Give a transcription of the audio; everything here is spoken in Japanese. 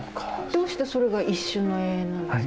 どうしてそれが「一瞬の永遠」なんですか？